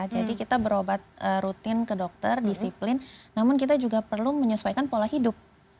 jadi kita berobat rutin ke dokter disiplin namun kita juga perlu menyesuaikan pola hidup